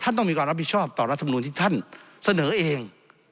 ต้องมีความรับผิดชอบต่อรัฐมนุนที่ท่านเสนอเอง